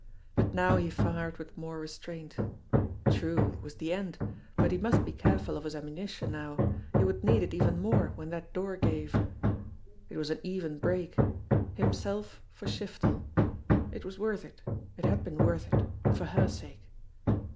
But now he fired with more restraint. True, it was the end, but he must be careful of his ammunition now ; he would need it even more when that door gave ! It was an even break. Himself for Shiftel ! It was worth it; it had been worth it for her sake.